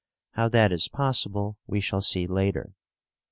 How that is possible we shall see later."